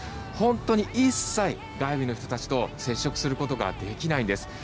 本当に一切外部の人たちと接触することができないんです。